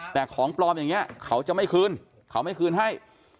แต่ของปลอมอย่างนี้เขาจะไม่คืนเขาไม่คืนให้